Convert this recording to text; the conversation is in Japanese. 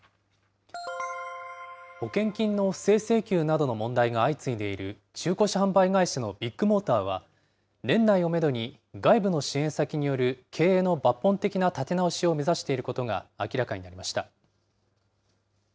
保険金の不正請求などの問題が相次いでいる中古車販売会社のビッグモーターは、年内をメドに外部の支援先による経営の抜本的な立て直しを目指していることが明らかになりました。